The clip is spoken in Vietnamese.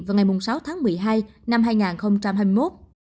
các ca nhiễm bắt hiện vào ngày sáu tháng một mươi hai năm hai nghìn hai mươi một